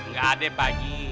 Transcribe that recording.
gak ada ya pagi